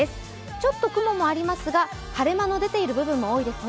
ちょっと雲もありますが晴れ間の出ている部分も多いですね。